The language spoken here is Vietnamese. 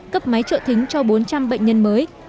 cấp máy trợ thính cho bốn trăm linh bệnh nhân mới